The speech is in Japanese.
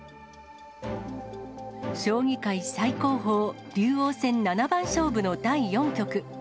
将棋界最高峰竜王戦七番勝負の第４局。